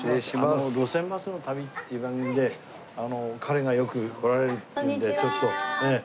あの『路線バスの旅』っていう番組で彼がよく来られるっていうんでちょっと。